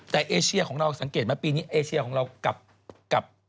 แต่เอเชียของเราสังเกตไหมปีนี้เอเชียของเรากลับ